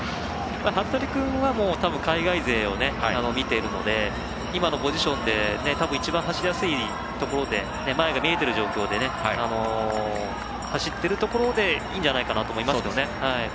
服部君は海外勢を見ているので今のポジションで多分、一番走りやすいところで前が見えている状況で走っているところでいいんじゃないかなと思います。